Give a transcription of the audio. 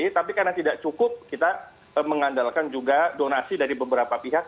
tapi karena tidak cukup kita mengandalkan juga donasi dari beberapa pihak